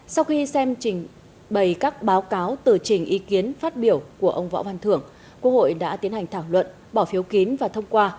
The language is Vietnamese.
sau khi xem trình bày các báo cáo tờ trình ý kiến phát biểu của ông võ văn thưởng quốc hội đã tiến hành thảo luận bỏ phiếu kín và thông qua